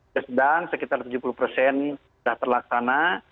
sudah sedang sekitar tujuh puluh persen sudah terlaksana